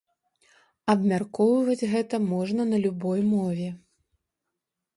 Абмяркоўваць гэта можна на любой мове.